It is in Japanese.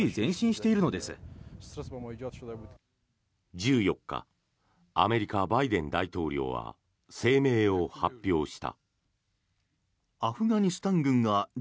１４日、アメリカバイデン大統領は声明を発表した。